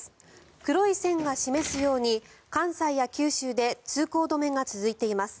黒い線が示すように関西や九州で通行止めが続いています。